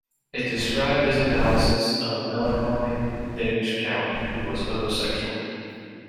It described his analysis of a melancholy Danish count who was homosexual.